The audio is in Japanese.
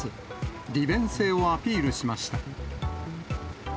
利便性をアピールしました。